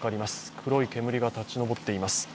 黒い煙が立ち上っています。